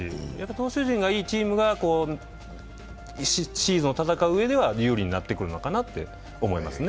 投手陣がいいチームがシーズンを戦ううえでは有利になってくるのかなと思いますね。